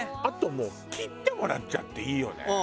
あともう切ってもらっちゃっていいよね。